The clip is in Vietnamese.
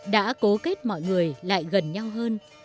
đã cố kết mọi người lại gần nhau hơn